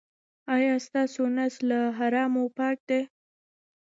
ایا ستاسو نس له حرامو پاک دی؟